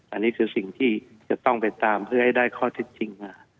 อันนี้คือสิ่งที่จะต้องไปตามเพื่อให้ได้ข้อเท็จจริงมา